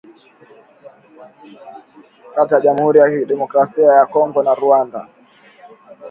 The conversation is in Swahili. kati ya Jamuhuri ya Kidemokrasia ya Kongo na Rwanda